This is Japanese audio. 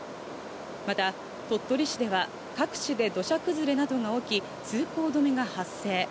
また、鳥取市では各地で土砂崩れなどが起き、通行止めが発生。